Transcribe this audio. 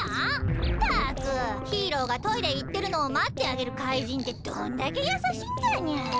ったくヒーローがトイレいってるのをまってあげる怪人ってどんだけやさしいんだにゃ。